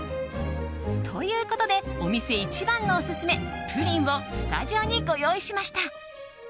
ということでお店一番のオススメ、プリンをスタジオにご用意しました。